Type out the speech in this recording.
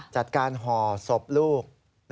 จัดการห่อศพลูก